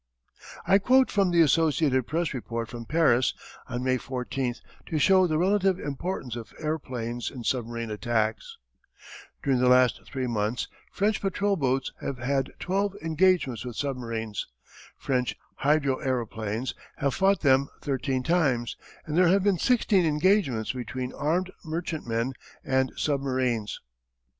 I quote from The Associated Press report from Paris on May 14th to show the relative importance of aëroplanes in submarine attacks: "During the last three months French patrol boats have had twelve engagements with submarines, French hydroaëroplanes have fought them thirteen times, and there have been sixteen engagements between armed merchantmen and submarines."